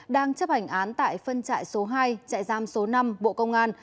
đang chấp hành án tại phân trại số hai trại giam số năm bộ công an